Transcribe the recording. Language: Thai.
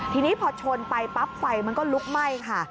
ทีนี้พอชนไปปั๊บไฟมันก็ลุกไหม้ค่ะ